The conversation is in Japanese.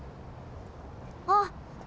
あっ！